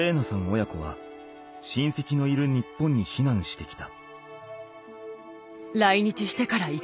親子はしんせきのいる日本に避難してきた。